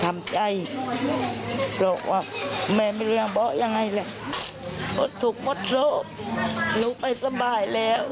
จะได้ให้ลูกต้องสลัมบ้าแบบนี้เลยลูกเป็นสลัมบ้าจนตาย